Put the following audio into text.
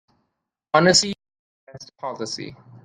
Honesty is the best policy.